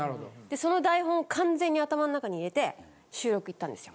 その台本を完全に頭の中に入れて収録行ったんですよ。